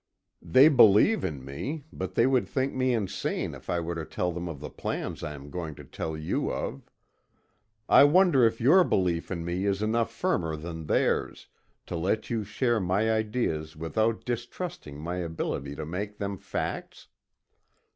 They believe in me, but they would think me insane if I were to tell them of the plans I am going to tell you of. I wonder if your belief in me is enough firmer than theirs, to let you share my ideas without distrusting my ability to make them facts?"